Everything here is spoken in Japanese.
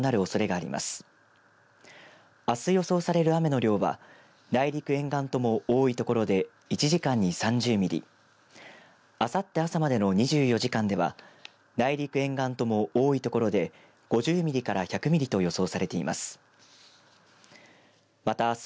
あす予想される雨の量は内陸沿岸とも多い所で１時間に３０ミリあさって朝までの２４時間では内陸、沿岸とも多い所で５０ミリから１００ミリと予想されています。